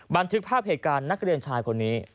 บันทึกภาพเหตุการณ์นักเรียนชายคนนี้